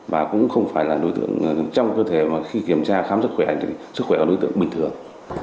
và cũng không phải là đối tượng trong cơ thể mà khi kiểm tra khám sức khỏe thì sức khỏe là đối tượng bình thường